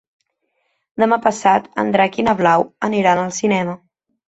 Demà passat en Drac i na Blau aniran al cinema.